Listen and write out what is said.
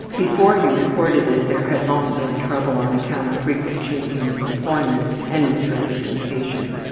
Before he reported it there had long been trouble on account of frequent changing of employment and misrepresentations.